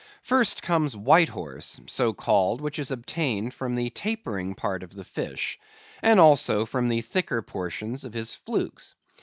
First comes white horse, so called, which is obtained from the tapering part of the fish, and also from the thicker portions of his flukes.